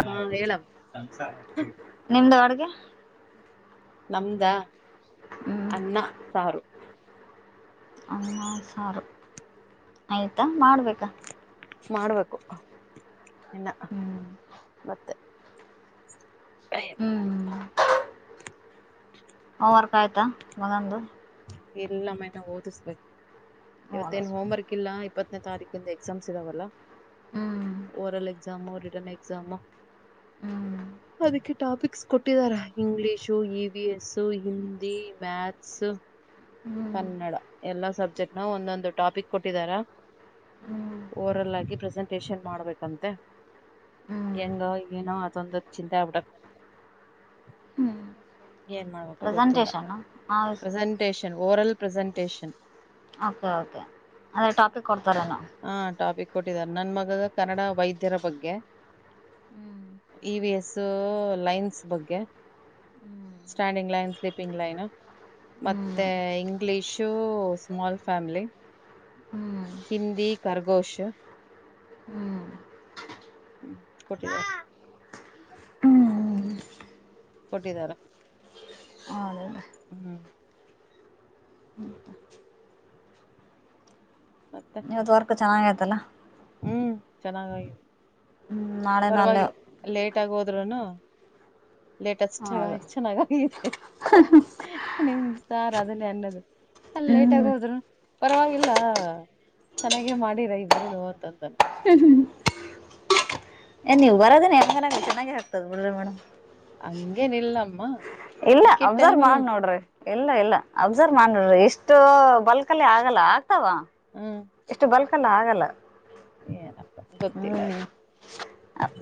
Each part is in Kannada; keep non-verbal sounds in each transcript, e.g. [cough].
ಹಾಂ ಹೇಳು ನಿಮ್ದ ಅಡ್ಗೆ ನಮ್ದ ಹ್ಮ್ ಅನ್ನ ಸಾರು ಅನ್ನ ಸಾರು ಆಯಿತಾ ಮಾಡ್ಬೇಕಾ. ಮಾಡ್ಬೇಕು ಇನ್ನ ಹ್ಮ್ ಮತ್ತೆ. ಹ್ಮ್ ಹೋಮ್ ವರ್ಕ್ ಆಯ್ತಾ ಮಗಂದು ಇಲ್ಲ ಮೇಡಂ ಓದಿಸ್ಬೇಕು ಇವತ್ತೇ ಹ್ಮ್ ಏನ್ ಹೋಮ್ವರ್ಕ್ ಕಿಲ್ಲ ಇಪ್ಪತ್ತನೇ ತಾರೀಕಿಂದ ಎಕ್ಸಾಮ್ಸ್ ಇದ್ದಾವಲ್ಲ. ಹ್ಮ್ ಓರಲ್ ಎಕ್ಸಾಮು ರಿಟರ್ನ್ ಎಕ್ಸಾಮು ಹ್ಮ್ ಅದಕ್ಕೆ ಟಾಪಿಕ್ಸ್ ಕೊಟ್ಟಿದಾರ English E V S Hindi maths ಹ್ಮ್ ಹ್ಮ್ ಕನ್ನಡ ಎಲ್ಲಾ ಸಬ್ಜೆಕ್ಟ್ನ ಒಂದೊಂದು ಟಾಪಿಕ್ ಕೊಟ್ಟಿದಾರ ಹ್ಮ್ ಓರಲ್ ಆಗಿ ಪ್ರೆಸೆಂಟೇಷನ್ ಮಾಡ್ಬೇಕಂತೆ ಹೆಂಗೋ ಏನೋ ಅದೊಂದು ಚಿಂತೆ ಆಗ್ಬಿಟದ ಹ್ಮ್ ಏನ್ ಮಾಡ್ಬೇಕೋ ಗೊತ್ತಿಲ್ಲ presentation presentation oral presentation okay okay ಅದೇ ಟಾಪಿಕ್ ಕೊಡ್ತಾರೆ ಏನೊ ಹಾಂ ಟಾಪಿಕ್ ಕೊಟ್ಟಿದ್ದಾರೆ ನನ್ ಮಗಗ ಕನ್ನಡ ವೈದ್ಯರ ಬಗ್ಗೆ ಹ್ಮ್ ಇ ವಿ ಎಸ್ಸು ಲೈನ್ಸ್ ಬಗ್ಗೆ ಸ್ಟ್ಯಾಂಡಿಂಗ್ ಲೈನ್ ಸ್ಲೀಪಿಂಗ್ ಲೈನ್ನು ಮತ್ತೆ ಹ್ಮ್ ಇಂಗ್ಲಿಷು ಸ್ಮಾಲ್ ಫ್ಯಾಮಿಲಿ ಹ್ಮ್ ಹಿಂದಿ ಖರ್ಗೋಶ್ ಹ್ಮ್ ಹ್ಮ್ ಕೊಟ್ಟಿದಾರೆ ಕೊಟ್ಟಿದಾರ [unintelligible] ಹ್ಮ್ ಮತ್ತ ಮತ್ತೆ ಇವತ್ ವರ್ಕ್ ಚೆನ್ನಾಗ್ ಆಯ್ತಲ್ಲಾ ಹ್ಮ್ ಚೆನ್ನಾಗಾಗಿ ಹ್ಞೂ ನಾಳೆನ ಅಲ್ಲೇ ಪರವಾಗಿಲ್ಲ ಲೇಟ್ ಆಗ ಹೋದ್ರುನು ಲೇಟ್ಷ್ಟ ಹೌದು ಚೆನ್ನಾಗಿದೆ [unintelligible] ನಿಮ್ ಸಾರ್ ಅದನ್ನೇ ಅನ್ನೋದು ಅಲ್ ಲೇಟ್ ಹ್ಞೂ ಆಗ್ ಹೋದ್ರು ಪರವಾಗಿಲ್ಲ ಚೆನ್ನಾಗೆ ಮಾಡಿರ ಇಬ್ಬರು ಅಂತ ಅಂತಾರೆ ಹ್ಮ್ ಹ್ಮ್ ಏ ನೀವು ಬರೋದೇ ಹೆಂಗನಾಗ ಚೆನ್ನಾಗಿ ಆಗ್ತದ ಬುಡ್ರಿ ಮೇಡಮ್ ಹಂಗೇನಿಲ್ಲಮ ಇಲ್ಲ ಅಬ್ಸರ್ವ್ ಮಾಡ್ ನೋಡ್ರಿ ಇಲ್ಲ ಇಲ್ಲ ಅಬ್ಸರ್ವ್ ಮಾಡ್ ನೋಡ್ರಿ ಇಷ್ಟು ಬಲ್ಕ ಅಲ್ಲಿ ಆಗಲ್ಲ ಆಗ್ತಾವ ಹ್ಮ್ ಎಷ್ಟು ಬಲ್ಕ್ ಅಲ್ಲಿ ಆಗಲ್ಲ ಏನಪ್ಪ ಗೊತ್ತಿಲ್ಲ ಹ್ಮ್ ಅದು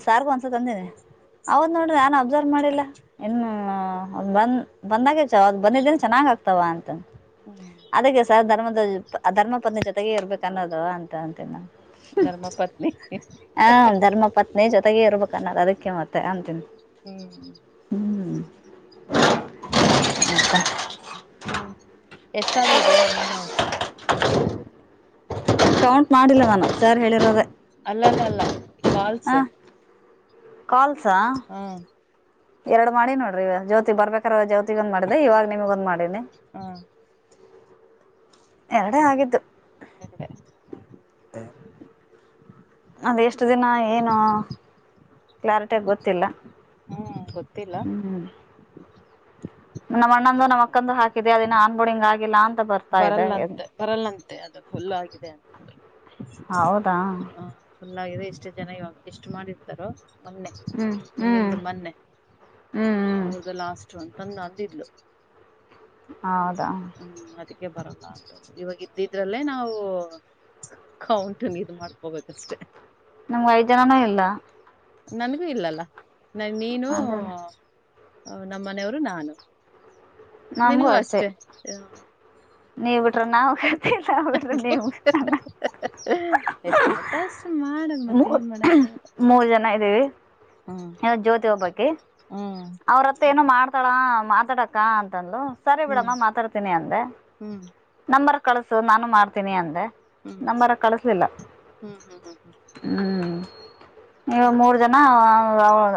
ಸಾರ್ಗು ಒಂದ್ಸತಿ ಅಂದಿನಿ ಅವ್ರ್ ನೋಡ್ದ್ರೆ ಯಾನು ಅಬ್ಸರ್ವ್ ಮಾಡಿಲ್ಲ ಇನ್ನು ಬಂದ್ ಬಂದಾಗ ಅವ ಬಂದಿದ್ರೆ ಚೆನ್ನಾಗ್ ಆಗ್ತಾವ ಅಂತ್ ಹ್ ಅದುಕೆ ಸರ್ ಧರ್ಮದ ಧರ್ಮ ಪತ್ನಿ ಜೊತೆಗೆ ಇರ್ಬೇಕು ಅನ್ನೋದು ಅಂತ ಅಂತೀನಿ ನಾನ್ ಧರ್ಮಪತ್ನಿ ಹಾ ಧರ್ಮ ಪ ಪತ್ನಿಯೇ ಜೊತೆಗೆ ಇರ್ಬೇಕನ್ನೋದು ಅದಕ್ಕೆ ಮತ್ತೆ ಅಂತಿನಿ ಹ್ಮ್ ಹುಂ ಹುಂ ಎಸಾದು ಜಯಾ ನಿನ್ನ ಇವಾಗ ಇವು ಕೌಂಟ್ ಮಾಡಿಲ್ಲವಾ ನಾನು ಸರ್ ಹೇಳಿರೋದೇ ಅಲ್ಲಲ್ಲಲ್ಲ ಕಾಲ್ಸ್ ಹಾ ಕಾಲ್ ಸಾ ಹಾ ಎರಡ್ ಮಾಡಿ ನೋಡ್ರಿ ಇವ ಜ್ಯೋತಿ ಬರ್ಬೇಕಾರ ಜ್ಯೋತಿಗ್ ಒಂದ್ ಮಾಡಿದೆೆ ಇವಾಗ ನಿಮಗೋಂದ್ ಮಾಡಿನಿ ಹಾ ಎರಡೇ ಆಗಿದ್ದು. ಒಂದೇ ಕಡೆ ಹುಂ ಅದು ಎಷ್ಟು ದಿನ ಏನು ಕ್ಲಾರಿಟಿಯಾಗಿ ಗೊತ್ತಿಲ್ಲಾ ಹುಂ ಗೊತ್ತಿಲ್ಲಾ ನಮ್ಮ ಅಣ್ಣಂದು ನಮ್ಮ ಅಕ್ಕಂದು ಹಾಕಿದೆ ಅದ ಇನ್ನ ಆನ್ ಬೋರ್ಡ್ ಆಗಿಲ್ಲಾ ಅಂತಾ ಬರಲ್ಲಂತೆ ಬರಲ್ಲಂತೆ ಅದು ಫುಲ್ ಆಗಿದೆ ಅನಿಸುತ್ತೆ ಹೌದಾ ಹಾ ಚೆನ್ನಾಗಿದೆ ಇಷ್ಟು ಜನ ಇವಾಗ ಎಷ್ಟು ಮಾಡರ್ತಾರೋ ನೀನ್ನೆ ಹ್ಮ್ ಹ್ಮ್ ಇನ್ನಲ್ದ ಮೊನ್ನೆ ಹ್ಮ್ ಹ್ಮ್ ಅವ್ರದೆಲ್ಲಾ ಲಾಷ್ಟು ಅಂತ ಅಂದಿದ್ಲು ಹೌದಾ ಹುಂ ಅದಕ್ಕೆ ಬರಲ್ಲ ಅಂತ್ದು ಇವಾಗ ಇದ್ದಿದ್ರಲ್ಲೇ ನಾವು ಕೌಂಟ್ ನಿಂದು ಮಾಡ್ಕೋ ಬೇಕಷ್ಟೆ. ನಮ್ಗ್ ಐದ್ ಜನಾನು ಇಲ್ಲಾ ನನ್ಗೂ ಇಲ್ಲಲ್ಲಾ ನ್ ನೀನು ಹ ಅದಲ್ಲ ನಮ್ಮನೆಯವರು ನಾನು ನಿನಗೂ ಅಷ್ಟೇ. ನೀವ್ ಬಿಟ್ರೆ ನಾವ ಇಲ್ಲಾ ಅವರ್ ಬಿಟ್ರೆ ನೀವು ಹ ಎಷ್ಟಾತವಾ ಅಷ್ಟ ಮಾಡನ ಮತ್ತ ಮೂರ್ ಏನ್ ಮಾಡಕ್ಕಲ್ಲ ಮೂರ್ ಜನ ಇದ್ದೀವಿ ಯ ಜ್ಯೋತಿ ಒಬ್ಬಕಿ ಹ್ಮ್ ಅವ್ರ ಹತ್ರ ಏನು ಮಾಡ್ತಾಳ ಮಾತಾಡಕ್ಕ ಅಂತ ಅಂದ್ಲು ಸರಿ ಬಿಡಮ್ಮ ಮಾತಾಡ್ತೀನಿ ಅಂದೆ ಹುಂ ನಂಬರ್ ಕಳಸು ನಾನು ಮಾಡ್ತೀನಿ ಅಂದೆ ಹ್ಮ್ ನಂಬರ್ ಕಳಸಲಿಲ್ಲಾ ಹ್ಮ್ ಹ್ಮ್ ಹ್ಮ್ ಹ್ಮ್ ಹ್ಮ್ ಹುಂ ನೀವು ಮೂರ್ ಜನಾ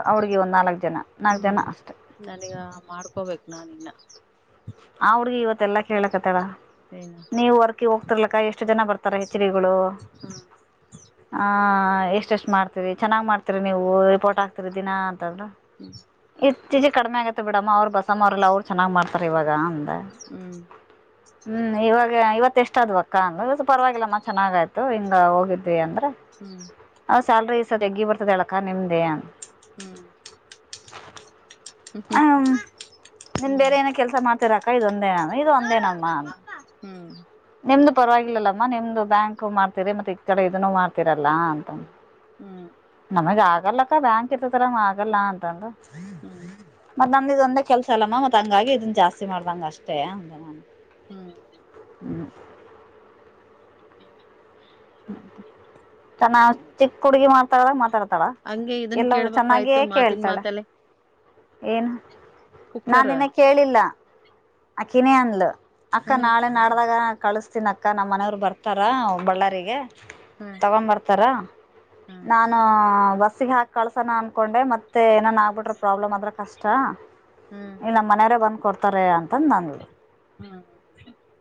ಆ ಹುಡುಗಿ ಒಂದ್ ನಾಲ್ಕು ಜನಾ ನಾಲ್ಕ್ ಹ್ಮ್ ಜನಾ ಅಷ್ಟೆ ನನಗ ಮಾಡ್ಕೋಬೇಕು ನಾನ ಇನ್ನ್ ಆ ಹುಡ್ಗಿ ಇವತ್ತಲ್ಲಾ ಕೇಳಕತ್ತಾಳ ಏನ ನೀವು ವರ್ ಅ ಹೋಗ್ತಿರ್ಲಕ್ಕ ಎಷ್ಟು ಜನ ಬರ್ತಾರ ಹೆಚ್ ಡಿ ಗಳು ಹ್ಮ್ ಹಾ ಎಷ್ಟ ಎಷ್ಟ್ ಮಾಡ್ತೀರಿ ಚೆನ್ನಾಗ್ ಮಾಡ್ತೀರಿ ನೀವು ರಿಪೋರ್ಟ್ ಆಗ್ತೀರಿ ದಿನಾ ಅಂತಂದ್ರ [inaudible] ಇತ್ತೀಚೆ ಕಡಿಮೆ ಆಗತ್ತೆ ಬಿಡಮ್ಮ ಅವ್ರು ಬಸಮ್ಮ ಅವ್ರಲ್ಲ ಅವ್ರು ಚೆನ್ನಾಗ್ ಮಾಡ್ತಾರೆ ಇವಾಗ ಅಂದೆ ಹುಂ ಹುಂ ಇವಾಗ ಇವತ್ತು ಎಷ್ಟು ಆದು ಅಕ್ಕಾ ಅಂದ್ಲು ಪರವಾಗಿಲ್ಲಮ್ಮ ಚೆನ್ನಾಗ ಆಯ್ತು ಹಿಂಗ ಹೋಗಿದ್ವಿ ಅಂದ್ರೆ ಹುಂ ಆ ಸ್ಯಾಲ್ರಿ ಸತೆಗ್ಗಿ ಬರ್ತದ ಅಕ್ಕಾ ನಿಮ್ದೇ ಹ ಹ್ಮ್ ಹ್ಮ್ ಹ್ಮ್ ನಿನ್ ಬೇರೆ ಏನ ಕೆಲ್ಸ ಮಾಡ್ತಿ ಅಕ್ಕ ಇದೊಂದೇನೆ ಅಮ್ಮ ನಿಮ್ದು ಪರವಾಗಿಲ್ಲಲ್ಲಮ್ಮ ನಿಮ್ದು ಬ್ಯಾಂಕ್ ಮಾಡ್ತೀರಿ ಮತ್ತೆ ಈ ಕಡೆ ಇದನ್ನು ಮಾಡ್ತಿರಲ್ಲಾ ಅಂತ ಹ್ಮ ನಮಗ್ ಆಗಲ್ಲಕ್ಕ ಬ್ಯಾಂಕ್ ಇರ್ತದ್ರ ಆಗಲ್ಲ ಅಂತಂದ ಹ್ಮ ಮತ್ ನಮ್ದ ಇದೊಂದೇ ಕೆಲ್ಸ ಅಲ್ಲಮ್ಮ ಮತ್ ಹಂಗಾಗಿ ಇದನ್ ಜಾಸ್ತಿ ಮಾಡ್ದಂಗ ಅಷ್ಟೇ ಅಂದ ನಾ ಹ್ಮ್ ಹ್ಮ್ ಹ ಚನ್ನಾ ಚಿಕ್ಕ ಹುಡ್ಗಿ ಮಾತಾಡದಾಗ ಮಾತಾಡ್ತಾಳ ಹಂಗೆ ಇದನ್ ಎಲ್ಲ ಚೆನ್ನಾಗಿಯ ಕೇಳ್ಬೇಕಾಯ್ತು ಮಾತಿನ ಕೇಳ್ತಾಳೆ ಮಾತಲ್ಲೇ ಏನ ಕುಕ್ಕರ್ ನಾನಿನ ಕೇಳಿಲ್ಲ ಅಕ್ಕಿನೇ ಅಂದಲ ಅಕ್ಕ ಹ್ಮ್ ನಾಳೆ ನಾಡ್ದಾಗ ಕಳಸ್ತೀನಕ್ಕ ನಮ್ಮ ಮನೆಯವ್ರು ಬರ್ತಾರ ಬಳ್ಳಾರಿಗೆ ಹ್ಮ ಬರ್ತಾರ ನಾನು ಬಸ್ಗೆ ಹಾಕ್ ಕಳ್ಸೋಣ ಅನ್ಕೊಂಡೆ ಮತ್ ಮತ್ತೆ ಏನನ್ ಆಗ್ಬಿಟ್ರ ಪ್ರಾಬ್ಲಮ್ ಆದ್ರ ಕಷ್ಟ ಹ್ಮ್ ನಮ್ಮ್ ಮನೆಯವರೇ ಬಂದ್ ಕೊಡ್ತಾರೆ ಅಂತಂದ ನಂದ ಹ್ಮ್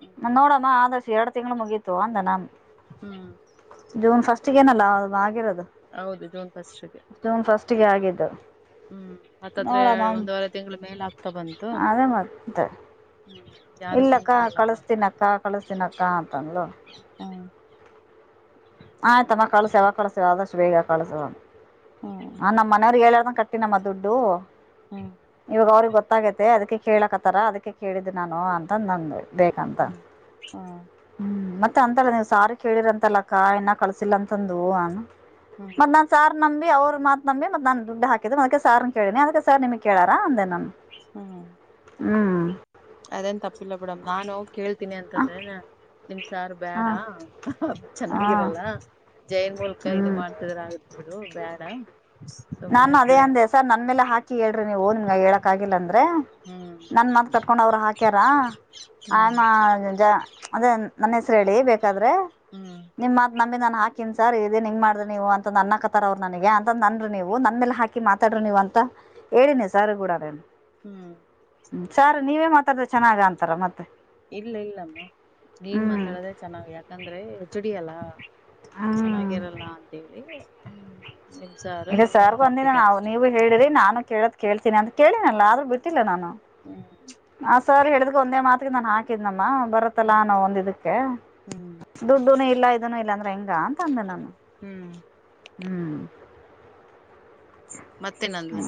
ಹ್ಮ್ ನೋಡಮ್ಮ ಆದ್ರ ಎರಡ್ ತಿಂಗಳು ಮುಗೀತು ಅಂದ ನಾನ ಹ್ಮ್ ಜೂನ್ ಫಸ್ಟ್ಗ ಅಲ್ಲ ಆಗಿರೋದು ಹೌದು ಜೂನ್ ಫಸ್ಟ್ಗೆ ಜೂನ್ ಫಸ್ಟ್ಗೆ ಆಗಿದ್ದು ಹ್ಮ್ ಹತ್ತತ್ರ ನೋಡಮ್ಮ ಒಂದೂವರೆ ತಿಂಗಳ ಮೇಲ್ ಆಗ್ತಾ ಬಂತು ಅದೇ ಮತ್ತೆ ಹ್ಮ್ ಯಾರು ಇಲ್ಲಕ್ಕ ಸುಮ್ನಿರಲ್ಲಮ್ಮ ಕಳಸ್ತೀನಕ್ಕ ಕಳಿಸತೀನಕ್ಕ ಅಂತ ಅಂದ್ಲು ಹ್ಮ ಆಯ್ತಮ್ಮ ಕಳ್ಸ ಯಾವಾಗ ಕಳ್ಸತಿ ಆದಷ್ಟು ಬೇಗ ಕಳ್ಸು ಹಾ ನಮ್ಮ ಮನೆಯವ್ರಿಗೆ ಹೇಳಾರದ ಕಟ್ಟತೀನಿ ಅಮ್ಮ ದುಡ್ಡು ಹ್ಮ್ ಇವಾಗ ಅವ್ರಿಗೆ ಗೊತ್ತಾಗೈತೆ ಅದಕ್ಕೆ ಕೇಳಕತ್ತಾರ ಅದಕ್ಕೆ ಕೇಳಿದ್ದು ನಾನು ಅಂತ ನಂದ ಬೇಕಂತ ಹ್ಮ್ ಹ್ಮ್ ಹ್ಮ್ ಮತ್ತೆ ಅಂತಾಳ ನೀವ್ ಸರ್ಗೆ ಕೇಳಿರಂತಲ್ಲ ಏನ ಕಳ್ಸಿಲ್ಲ ಅಂತಂದು ಹ್ಮ ಮತ್ತ ನನ್ ಸಾರ್ ನಂಬಿ ಅವ್ರರು ಮಾತ ನಂಬಿ ಮತ್ತ ನಾನು ದುಡ್ಡು ಹಾಕಿದ್ದೆ ಅದಕ್ಕೆ ಸರ್ನ ಕೇಳಿನಿ ಅದಕ್ಕೆ ಸರ್ ನಿಮಗ್ ಕೇಳಾರ ಅಂದೇ ನಮ ಹಾ ಹ್ಮ್ ಅದೇನ್ ತಪ್ಪಿಲ್ಲ ಬಿಡಮ್ ನಾನು ಹೋಗಿ ಕೇಳ್ತೀನಿ ಹಾಂ ಅಂತಂದ್ರೇನ ನಿಮ್ಮ ಸರು ಬ್ಯಾಡ ಹಾಂ ಚೆನ್ನಾಗಿರಲ್ಲ ಜೈನ್ ಮೂಲಕ ಹ್ಞೂ ಇದು ಮಾಡ್ತೀನಿ ಆಗತ್ ಬಿಡು ಬೇಡ ಸುಮ್ನೆ ನಾನ್ ಅದೇ ಬಿಳೆ ಅಂದೇ ಸರ್ ನನ್ ಮೇಲೆ ಹಾಕಿ ಹೇಳ್ರಿ ನೀವು ನಿಮಗ ಹೇಳಕ್ ಆಗಿಲ್ಲ ಅಂದ್ರೆ ಹ್ಮ್ ನನ್ನ ಮಾತ ಕಟ್ಕೊಂಡ ಅವರು ಹಾಕ್ಯಾರ ಹ್ಮ್ ಅದೇ ನನ್ನ ಹೆಸರು ಹೇಳಿ ಬೇಕಾದ್ರೆ ಹ್ಮ್ ನಿಮ್ಮ್ ಮಾತ ಹಾಕೀಿ ಸರ್ ಇದೇನ್ ಹಿಂಗ ಮಾಡ್ದೆ ನೀವು ಅಂತ ನನ್ನ ಹಕ್ಕತ್ತಾರ ಅವರು ನನಗೆ ಅಂತ ನನ ನೀವು ನನ್ನೇಲೆ ಹಾಕಿ ಮಾತಾಡ್ರಿ ನೀವ ಅಂತ ಹೇಳಿನಿ ಸರ್ ಗೂಡನು ಹ್ಮ್ ಸರ್ ನೀವೇ ಮಾತಾಡರ ಚೆನ್ನಾಗ ಅಂತಾರ ಮತ್ತೆ ಇಲ್ಲ ಇಲ್ಲಮ್ಮ. ನೀನ್ ಹ್ಞೂ ಮಾತಾಡದೇ ಚೆನ್ನ್ ಯಾಕೆ. ಯಕಂದ್ರೆ ಎಚ್ಓಡಿ ಅಲ್ಲಾ ಹ್ಞೂ ಚೆನ್ನಾಗಿರಲ್ಲ ಅಂತ ಹೇಳಿ ಹೂ ನಿಮ್ಸಾರು ಇದೆ ನಿನ್ ಮೇಲೆ ಸರ್ಗೂ ಅಂದಿನ ಹಾಕಿದಿದ್ದಾರೆ. ನಾವು ನೀವು ಹೇಳಿರಿ ನಾನು ಕೇಳದ ಕೇಳ್ತೀನಿ ಅಂತ ಕೇಳಿನಲ್ಲ ಆದ್ರೂ ಬಿಟ್ಟಿಲ್ಲ ನಾನು. ಹ್ಮ್ ಆ ಸರ್ ಹೇಳಿದ್ಕ ಒಂದೇ ಮಾತಿಗೆ ನಾನ್ ಹಾಕಿದ್ನಮ್ಮ ಬರತ್ತಲ್ಲಾ ನ ಒಂದ ಇದಕ್ಕೆ. ಹ್ಮ್ ದುಡ್ಡುನು ಇಲ್ಲ ಇದನು ಇಲ್ಲ ಅಂದ್ರೆ ಹೆಂಗ ಅಂತ ಅಂದೆ ನಾನು. ಹ್ಮ್ ಹ್ಮ್ ಮತ್ತೇನಂದ್ಲ ಹೂ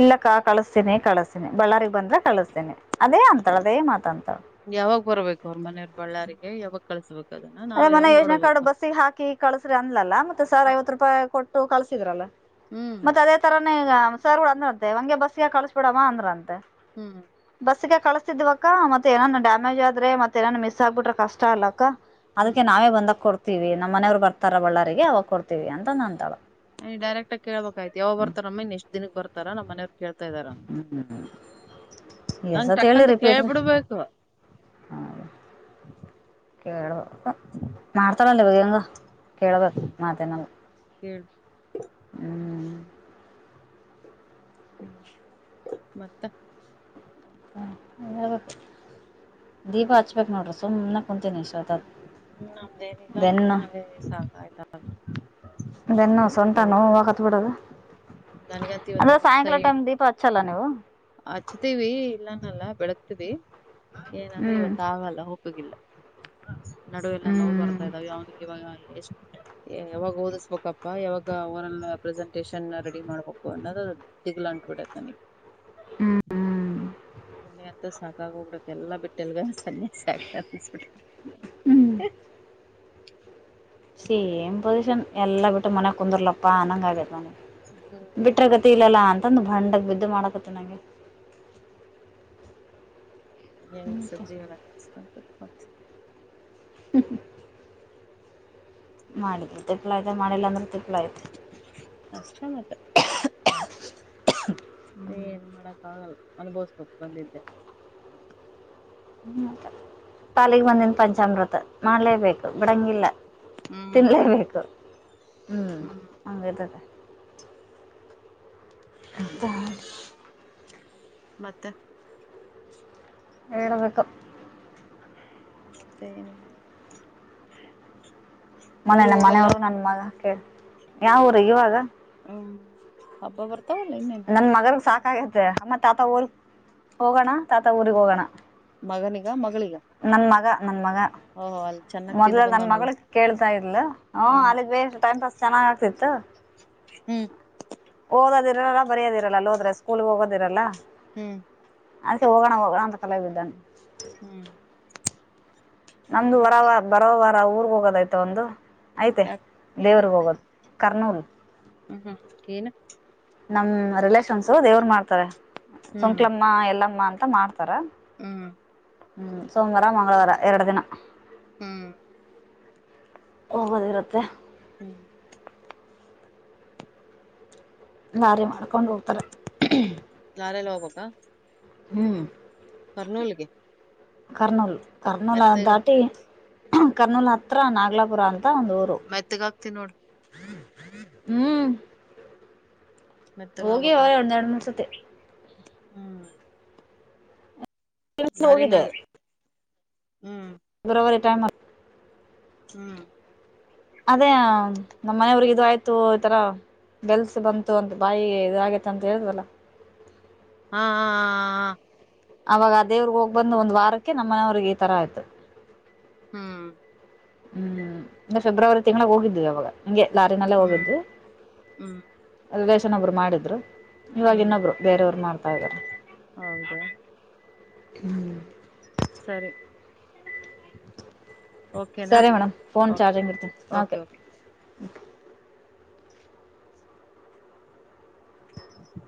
ಇಲ್ಲಕ್ಕ ಕಳಸ್ತೀನಿ ಕಳಸ್ತೀನಿ ಬಳ್ಳಾರಿ. ಬಂದ್ರೆ ಕಳಿಸ್ತೇನಿ ಅದೇ ಅಂತಳ ಅದೇ ಮಾತ ಅಂತಾಳ. ಯಾವಾಗ ಬರ್ಬೇಕು ಅವ್ರ ಮನೆಯವ್ರ ಬಳ್ಳಾರಿಗೆ ಯಾವಾಗ ಕಳ್ಸ್ಬೇಕು ಅದನ್ನ ಅದೇ ನಾವ್ ಮನ ಯಾವಾಗ್ ಯೋಜನೆ ಕಾರ್ಡ್ ನೋಡಬೇಕು. ಹಾಕಿ ಕಳಸ್ರೆ ಅನ್ಲಲ್ಲ ಮೆ ಸ ಐವ ರೂಪಾಯಿ ಕೊಟ್ಟು ಕಳಸಿದ್ರಲ್ಲ ಹ್ಮ್ ಮ ಅದೇ ತರ ಗ ಸರ್ ಅಂದ್ರಂತೆ ಹಂಗಗೆ ಬಸ್ಗೆ ಕಳಸ ಬಿಡವ ಅಂದ್ರಂತೆ. ಹ್ಮ್ ಬಸ್ಸಗೆ ಕಳಸ್ತಿದ್ವಕ್ಕ ಮತ್ತೆಏನನ್ ಡ್ಯಾಮೇಜ್ ಆದ್ರ ಮತ್ತೆ ನನ್ ಮಿಸ್ ಆಗ್ಬಿಟ್ರ ಕಷ್ಟ ಅಲ್ಲ ಅಕ್ಕ. ಹ್ಮ್ ಅದಕ್ಕೆ ನಾವೇ ಬಂದಕ್ ಕೊಡ್ತತಿವಿ ನಮ್ಮ ಮನೆಯವರು ಬತಾರ ಬಳ್ಳಾರರಿಗೆ ಅವಾಗ ಕೊಡ್ತತಿವಿ ಅಂತ ಅಂತಾಳ. ಡರೆಕ್ ಆಗ ಕೇಬೇಕಾಯ್ ಯಾವ ಹ್ಮ್ ಬರ್ತಾರಮ್ಮ ಇ ಎಷ್ಟ ದನ್ ಬತಾರ ನಮ್ಮ ಮಯವ್ ಕೇಳ ತಾರ ಅಂಗ ಹ್ಮ್ ಎಷ್ಟ್ ಸತಿ ಟಕ್ ಅಂತ ಕೇಳ್ಬಿಡ್ಬೇಕು. ಹೌದ ಕುವ ಮಾಡ್ತಾಳಲ್ಲ ಬ ಹೆಂಗ. ಕೇಳಬೇಕು ಮಾತನಲ್ಲ ಕೇಳ ಹ್ಮ್. ಹ್ಮ್ ಮತ್ತ ಹಾ ದೀಪ ಹಚ್ಬೇಕು ನೋಡ್ರಿ ಸುಮ್ಮನೆ ಕುಂತೀನಿ ಇಷ್ಟತ್ ಹ್ಮ ನಮ್ದೇನಿಲ್ಲ ನೆ ಸಾಕಾಯ್ತ ಬೆನ್ನು ಸೊಂಟ ನೋವುಕತ್ ಬಿಡೋದು. ನನಗಂತ ಅಂದ್ರ ಇವತ್ತೊಂದ್ ಸಾಯಂಕಾಲ ಸೈಡ್ ಟೈಮ್ ದೀಪ ಹಚ್ಚಲ್ಲ ನೀವು. ಹಚ್ತೀವಿ ಇಲ್ಲಾನಲ್ಲ ಬೆಳತವಿ ಏನಂದ್ರೆ ಹ್ಮ್ ಇವತ್ ಆಗಲ್ಲ ಉಪ್ಪಿಗಿಲ್ಲ. ನಡುವೆಲ್ಲ ನೋವು ಹ್ಮ್ ಬರ್ತಾ ಇದ್ದಾವೆ ಅವ್ನಿಗೆ ಇವಾಗ ಎಷ್ಟು. ಯಾವಾಗ ಓದಿಸ್ಬೇಕಪ್ಪಾ ಯಾವಾಗ ಒರಲ್ ಪ್ರೆಸೆಂಟೇಶನ್ ರೆಡಿ ಮಾಡ್ಬೇಕು ಅನ್ನೋದು. ತಿಗಲ ಅಂಟಬಿಡತ ನನಗೆ. ಹ್ಮ್ ಹ್ಮ್ ಅಲ್ಲಿ ಅಂತ ಸಾಕಾಗ ಹೋಗ್ಬಡಕ್ ಎಲ್ಲಾ ಬಿಟ್ಟೆಲ್ಗ ಸನ್ಯಾಸಿ ಆಗ್ತಾ ಅನ್ಬಿ. ಹ್ಮ್ ಚಿ ಏನು ಪೊಸಿಷನ್ ಎಲ್ಲಾ ಬಿಟ್ಟು ಮನಯ ಕುಂದರ್ಲಪ್ಪ ಅನಂಗ ಆಗೇತ್ ಮನೆಗ್ ಬಿಟ್ಟ [unintelligible] ಬಂಡಗ್ ಬಿದ್ದು ಮಾಡಕತ್ತ ಅಂಗೆ. ಯಂಗ್ ಮತ್ತೆ ಸಂಜೀವನ [unintelligible] ಹ್ಮ ಹ್ಮ ಮಾಡಿ ತಿಪ್ಪ ಐತೆ ಮಾಡಿಲ್ಲ ಅಂದ್ರೆ ತಿಪ್ಪ ಐತೆ. ಅಷ್ಟ ಮತ್ತೆ. ಏನು ಮಾಡಕ್ಕ ಆಗಲ್ಲ ಅನ್ಬೋಸ್ಬೇಕು ಬಂದಿದ್ದೆ. ಹ್ಮ ಪಾಲಿಗೆ ಬಂದಿನ ಪಂಚಾಮೃತ ಮಳೆ. ಬೇಕು ಬಿಡಂಗಿಲ್ಲ ಹ್ಮ್ ತಿನ್ನಲೇಬೇಕು ಹೂ ಹ್ಮ್ ಹಂಗದೆ. ಹಂತ. ಮತ್ತೆ. ಹೇಳ್ಬೇಕು. ಮತ್ತೆ ಏನು ಮನ ನ ಮನೆಯವರು ನನ್ ಮಗ ಕೇಳ ಯಾವರು ಇವಾಗ? ಹ್ಮ್ ಹಬ್ಬ ಬರ್ತಾಲ್ಲನ್ನ ನನ್ ಮಗರ್ಗ್ ಸಾಕಾಗತ್ತೆ ಅಮ್ಮ ತಾತ ಊರ್ ಹೋಗೋಣ ತಾತ ಊರಿಗ್ ಹೋಗೋಣ. ಮಗನಿಗ ಮಗಳಿಗ? ನನ್ ಮಗ ನನ್ ಮಗ. ಓ ಹೊ. ಮೊದ್ಲ ನನ್ ಮಗಳ ಕೇಳ್ತಾ ಇರ್ಲು ಹ ಹ್ಮ್ ಅದ ಬ ಟೈಮ್ ಪಾಸ್ ಚೆಾಗ್ ಆಗ್ತಿತ್ತು. ಹ್ಮ್ ಓದೋದಿರಲ್ಲ ಬರಿಯದಿರಲ್ಲ ಹೋದ್ರೆ ಸ್ಕೂಲ್ ಹೋಗೋದಿರಲ್ಲ. ಹ್ಮ್ ಅದಕ ಹೋಗೋಣ ಹೋಗೋಣ ಅಂತ ಕಲ ಬಿದ್ದಾನೆ ಹ್ಮ್ ನಮ್ದು ವರವ ಬರೋ ವಾರ ಊರ್ಗ್ ಹೋಗೋದಯ್ತ ಒಂದು ಐ್ತೆ ಯಾಕ ದೇವ್ರಗ್ ಹೋಗೋದು. ಕರ್ನೂಲ್. ಹ್ಮ ಹ್ಮ್ ಏನ್. ನಮ್ ರಿಲೇಷನ್ಸ್ು ದೇವ್ರ ಮಾಡ್ತಾರೆ. ಹ್ಮ್ ಸುಂಕ್ಲಮ್ಮ ಎಲ್ಲಮ್ಮ ಅಂತ ಮಾಡ್ತಾರ. ಹ್ಮ್ ಹ್ಮ್ ಸೋಮವಾರ ಮಂಗಳವಾರ ಎರಡು ದಿನ. ಹ್ಮ ಹೋಗದಿರುತ್ತೆ. ಹ್ಮ್ ಲಾರಿ ಮಾಡ್ಕೊಂಡ್ ಹೋಗ್ತಾರೆ. ಲಾರೀಲ್ ಹೊಗಬೇಕಾ? ಹ್ಮ್ ಕರ್ನೂಲ್ ಕರ್ನೂಲ್ ಅ ಮೆತ್ತಗ ದಾಟಿ ಕರ್ನೂಲ್ ಹತ್ರಿ ನಾಗಲಾಪುರ ಅಂತ ಒಂದು ಊರು. ಮೆತ್ತಗ ಆಗ್ತಿ ನೋಡ್ ಹ್ಮ್ ಮೆತ್ತಗ ಹೋಗಿ ಅವಕ್ಕ ಅವರೇ ಒಂದೆರಡು ಮೂರು ಸತಿ ಹ್ಮ್ ಹೋಗಿದೆ ಲಾರಿನಾಗ ಹ್ಮ್ ಫೆಬ್ರವರಿ ಟೈಮ ಹ್ಮ್ ಅದೇ ನಮ್ಮ್ ಮನೆಯವ್ರಿಗೆ ಇ ಆಯ್ತು ಈತರ. ಬೆಲ್ಸ ಬಂತು ಅಂತ ಬಾಯಿ ಇದಗೇತ್ತ ಅಂತ ಹೇಳವಲ್ಲ. ಹಾ ಹಾ ಅವಾಗ ಅ ದೇವ್ರಗ್ ಹೋಗ್ ಬಂದ ಒಂದ್ ವಾರಕ್ಕೆ ನಮ್ಮನೆಯವ್ರಿಗೆ ಈ ತರ ಆಯ್ತು. ಹಾ ಹ್ಮ್ ಇ ಫೆಬ್ರವರಿ ತಿಂಗಳಿಗೆ ಹೋಗಿದ್ದವಿ ಅವಾಗ. ನನಗೆ ಲಾರಿನಲ್ಲೇ ಹ್ಮ್ ಹೋಗಿದ್ವಿ ಹ್ಮ್ ಹ್ಮ್ ರಿಲೇಶನೊಬ್ರು ಮಾಡಿದರು. ಇವಾಗ ಹ್ಮ್ ಇನ್ನೊಬ್ರು ಬೇರೆಯವರು ಮಾಡ್ತಾ ಇದ್ದಾರ ಹೌದಾ ಹ್ಮ್. ಸರಿ ಓಕೆನಾ ಸರಿ ಮೇಡಮ್ ಫೋನ್ ಓಕೆ ಚಾರ್ಜಿಂಗ್ ಇಡ್ತೀನಿ ಓಕೆ ಹ್ಮ